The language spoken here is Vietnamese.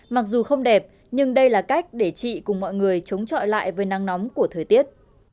mặc dù không đẹp nhưng đây là cách để chị cùng mọi người chống chọi lại với nắng nóng của thời tiết